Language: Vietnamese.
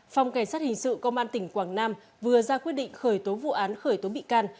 phòng cảnh sát hình sự công an tỉnh quảng nam vừa ra quyết định khởi tố vụ án khởi tố bị can